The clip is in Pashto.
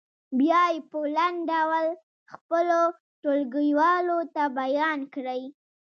بیا یې په لنډ ډول خپلو ټولګیوالو ته بیان کړئ.